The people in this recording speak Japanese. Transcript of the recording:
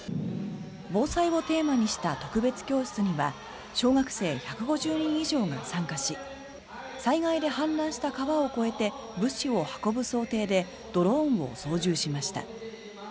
防災をテーマにした特別教室には小学生１５０人以上が参加し災害で氾濫した川を越えて物資を運ぶ想定でドローンを操縦しました。